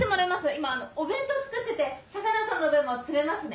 ・・今お弁当作ってて相良さんの分も詰めますね・